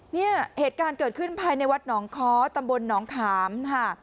เนี่ยเหตุการณ์เกิดขึ้นภายในวัดหนองค้อตำบลหนองขามค่ะ